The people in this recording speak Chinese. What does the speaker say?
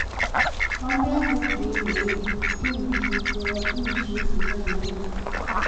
长蝠硬蜱为硬蜱科硬蜱属下的一个种。